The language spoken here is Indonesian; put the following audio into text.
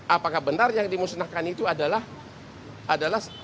apakah benar yang dimusnahkan itu adalah